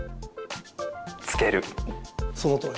そのとおり。